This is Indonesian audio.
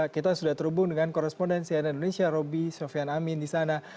kita sudah terhubung dengan korespondensi ana indonesia roby sofian amin di sana